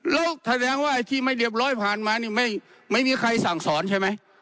แล้วแสดงว่าไอ้ที่ไม่เรียบร้อยผ่านมานี่ไม่มีใครสั่งสอนใช่ไหม